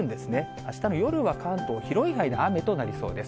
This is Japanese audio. あしたの夜は関東、広い範囲で雨となりそうです。